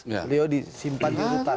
beliau disimpan di hutan